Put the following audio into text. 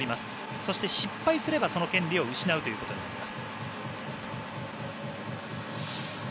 そして、失敗すればその権利を失うことになります。